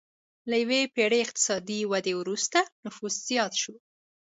له یوې پېړۍ اقتصادي ودې وروسته نفوس زیات شو.